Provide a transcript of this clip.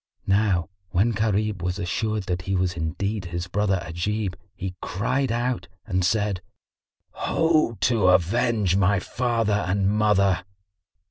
Now when Gharib was assured that he was indeed his brother Ajib, he cried out and said, "Ho, to avenge my father and mother!"